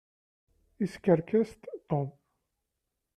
Iskerkes-d Tom.